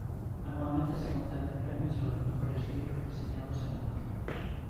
Anualmente se conceden premios a los mejores libros reseñados en la página.